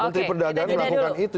menteri perdagangan melakukan itu